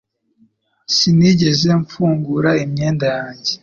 Sinigeze mfungura imyenda yanjye